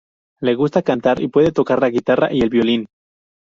Le gusta cantar y puede tocar la guitarra y el violín.